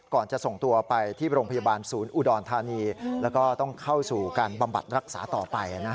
จะส่งตัวไปที่โรงพยาบาลศูนย์อุดรธานีแล้วก็ต้องเข้าสู่การบำบัดรักษาต่อไป